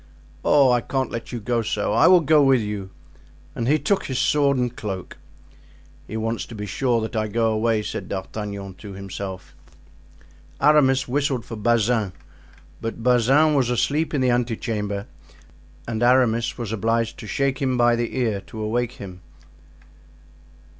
"Oh, I can't let you go so! I will go with you." And he took his sword and cloak. "He wants to be sure that I go away," said D'Artagnan to himself. Aramis whistled for Bazin, but Bazin was asleep in the ante chamber, and Aramis was obliged to shake him by the ear to awake him.